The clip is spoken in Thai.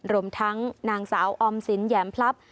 รวมทั้งนางสาวออมสินแหยมพลับ